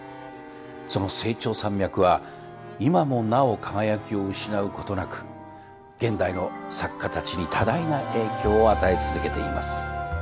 その「清張山脈」は今もなお輝きを失うことなく現代の作家たちに多大な影響を与え続けています。